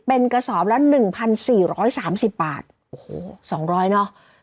เป็นกระสอบละหนึ่งพันสี่ร้อยสามสิบบาทโอ้โหสองร้อยเนอะ